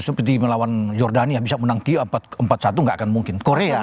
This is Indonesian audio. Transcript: seperti melawan jordania bisa menang q empat satu nggak akan mungkin korea